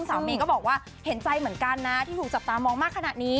เมย์ก็บอกว่าเห็นใจเหมือนกันนะที่ถูกจับตามองมากขนาดนี้